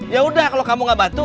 ya udah kalau kamu gak batu